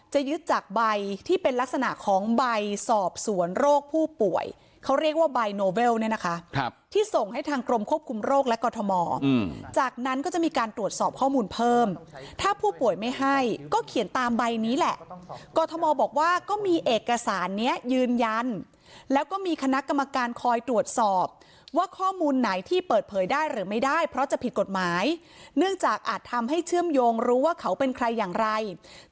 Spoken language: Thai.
จะยึดจากใบที่เป็นลักษณะของใบสอบสวนโรคผู้ป่วยเขาเรียกว่าใบโนเวลเนี่ยนะคะที่ส่งให้ทางกรมควบคุมโรคและกรทมจากนั้นก็จะมีการตรวจสอบข้อมูลเพิ่มถ้าผู้ป่วยไม่ให้ก็เขียนตามใบนี้แหละกรทมบอกว่าก็มีเอกสารเนี้ยยืนยันแล้วก็มีคณะกรรมการคอยตรวจสอบว่าข้อมูลไหนที่เปิดเผยได้หรือไม